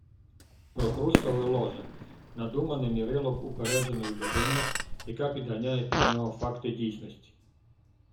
Прокрустове ложе - надумане мірило упередженої людини, яка підганяє під нього факти дійсності